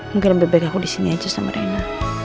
mungkin lebih baik aku disini aja sama rene